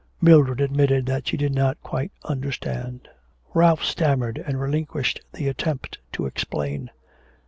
Mildred admitted that she did not quite understand. Ralph stammered, and relinquished the attempt to explain.